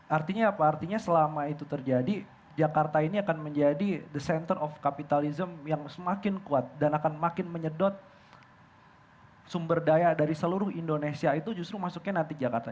artinya apa artinya selama itu terjadi jakarta ini akan menjadi the center of capitalism yang semakin kuat dan akan makin menyedot sumber daya dari seluruh indonesia itu justru masuknya nanti jakarta